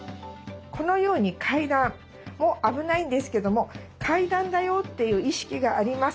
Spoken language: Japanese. このように階段も危ないんですけども階段だよっていう意識がありますので。